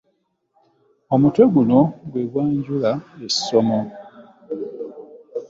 Omutwe guno gwe gwanjula essomo.